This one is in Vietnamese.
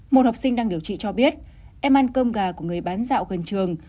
một học sinh đang điều trị cho biết em ăn cơm gà của người bán dạo gần trường